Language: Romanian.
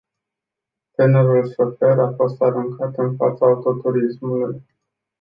Tânărul șofer a fost aruncat în fața autoturismului.